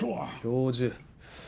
教授。